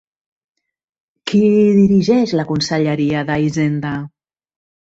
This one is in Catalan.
Qui dirigeix la Conselleria d'hisenda?